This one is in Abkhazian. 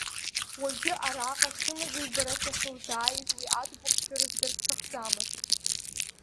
Уажәы араҟа чмазаҩбара сахьузааиз уи аӡбахә цәырызгарц сҭахӡамызт.